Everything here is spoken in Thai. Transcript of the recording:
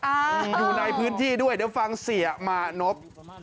อยู่ในพื้นที่ด้วยเดี๋ยวฟังเสียมานพ